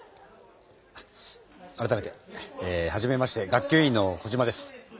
改めてえはじめまして学級委員のコジマです。